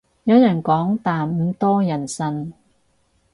有人講但唔多人信